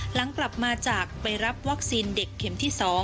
หลังกลับมาจากไปรับวัคซีนเด็กเข็มที่๒